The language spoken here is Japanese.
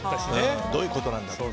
どういうことなんだと。